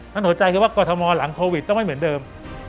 หัวใจคือว่ากรทมหลังโควิดต้องไม่เหมือนเดิม